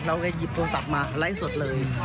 เราก็เลยหยิบโทรศัพท์มาไล่สดเลย